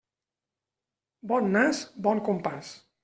Bon nas, bon compàs.